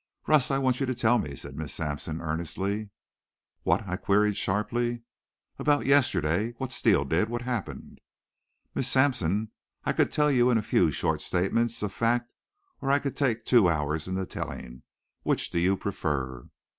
"Russ, I want you to tell me," said Miss Sampson earnestly. "What?" I queried sharply. "About yesterday what Steele did what happened." "Miss Sampson, I could tell you in a few short statements of fact or I could take two hours in the telling. Which do you prefer?"